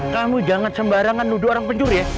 kamu jangan sembarangan nuduh orang pencuri ya